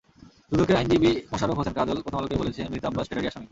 দুদকের আইনজীবী মোশাররফ হোসেন কাজল প্রথম আলোকে বলেছেন, মির্জা আব্বাস ফেরারি আসামি।